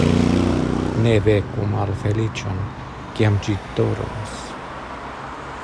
Ne veku malfeliĉon, kiam ĝi dormas.